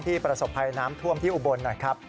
ประสบภัยน้ำท่วมที่อุบลหน่อยครับ